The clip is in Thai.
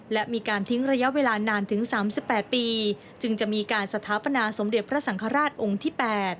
และมีการทิ้งระยะเวลานานถึง๓๘ปีจึงจะมีการสถาปนาสมเด็จพระสังฆราชองค์ที่๘